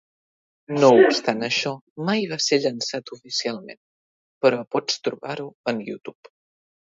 No obstant això, mai va ser llançat oficialment, però pots trobar-ho en you tube.